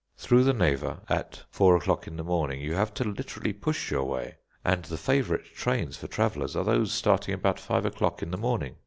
Through the Neva at four o'clock in the morning you have to literally push your way; and the favourite trains for travellers are those starting about five o'clock in the morning.